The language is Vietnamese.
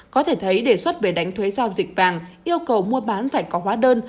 có thể thấy đề xuất về đánh thuế giao dịch vàng yêu cầu mua bán phải có hóa đơn